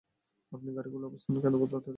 আপনি গাড়িগুলোর অবস্থান কেন বদলাতে রয়েছেন?